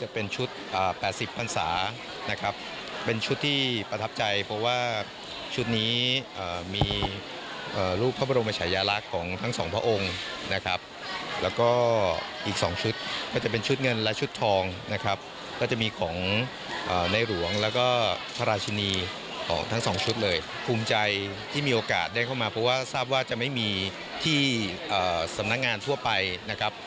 เพราะว่าทราบว่าจะไม่มีที่สำนักงานทั่วไปนะครับ